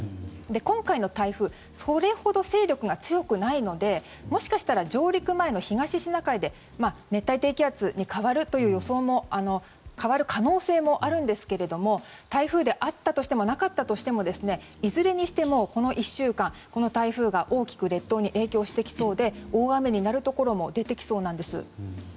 今回の台風それほど勢力が強くないのでもしかしたら上陸前の東シナ海で熱帯低気圧に変わる可能性もあるんですけれども台風であったとしてもなかったとしてもいずれにしてもこの１週間この台風が大きく列島に影響してきそうで大雨になるところも出てきそうなんです。